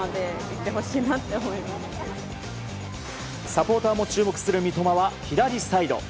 サポーターも注目する三笘は左サイド。